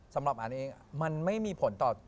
สำหรับอันเองมันไม่มีผลต่อ